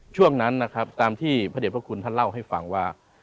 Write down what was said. ช่วงนั้นนะครับตามที่พระเด็จพระคุณท่านเล่าให้ฟังว่า